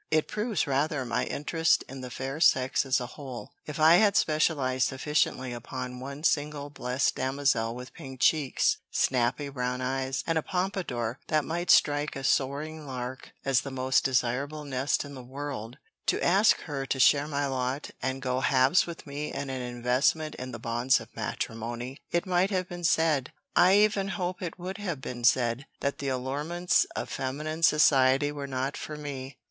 "It proves rather my interest in the fair sex as a whole. If I had specialized sufficiently upon one single blessed damozel with pink cheeks, snappy brown eyes, and a pompadour that might strike a soaring lark as the most desirable nest in the world, to ask her to share my lot, and go halves with me in an investment in the bonds of matrimony, it might have been said I even hope it would have been said that the allurements of feminine society were not for me.